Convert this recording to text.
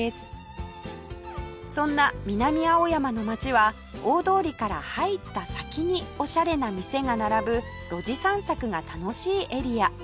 そんな南青山の街は大通りから入った先におしゃれな店が並ぶ路地散策が楽しいエリア